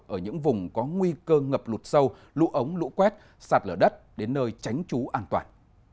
ở những vùng có nguy cơ ngập lụt sâu lũ ống lũ quét sạt lở đất đến nơi tránh trú an toàn